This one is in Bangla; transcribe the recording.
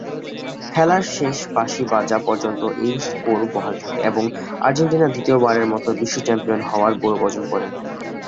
খেলার শেষ বাঁশি বাজা পর্যন্ত এই স্কোর বহাল থাকে এবং আর্জেন্টিনা দ্বিতীয়বারের মত বিশ্ব চ্যাম্পিয়ন হওয়ার গৌরব অর্জন করে।